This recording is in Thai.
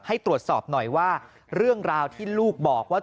ให้ตรวจสอบหน่อยว่าเรื่องราวที่ลูกบอกว่า